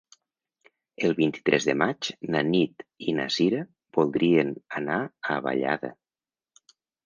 El vint-i-tres de maig na Nit i na Sira voldrien anar a Vallada.